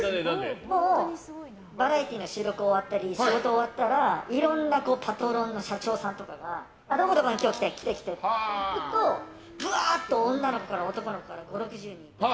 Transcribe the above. バラエティーの収録終わったり仕事が終わったらいろんなパトロンの社長さんとかがどこどこに今日来てっていうとぶわーっと女の子や男の子が５０６０人。